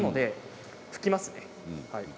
拭きますね。